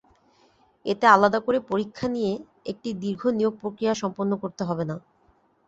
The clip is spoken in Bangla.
এতে আলাদা করে পরীক্ষা নিয়ে একটি দীর্ঘ নিয়োগপ্রক্রিয়া সম্পন্ন করতে হবে না।